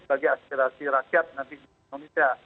bagi aspirasi rakyat nanti di indonesia